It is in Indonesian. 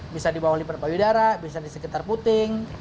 bisa di bawah liver payudara bisa di sekitar puting